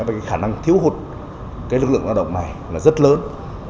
và cái khả năng thiếu hụt cái lực lượng lao động này là rất lớn